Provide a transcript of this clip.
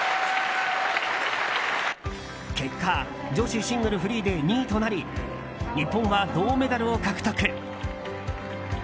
結果、女子シングルフリーで２位となり日本は銅メダルを獲得。